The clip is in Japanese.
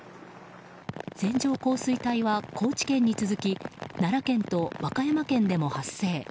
線上降水帯は高知県に続き奈良県と和歌山県でも発生。